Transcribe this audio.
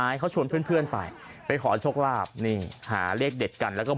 ยังให้เขาชวนเพื่อนไปการขอโชคลาภหาร์เลขเด็ดกัน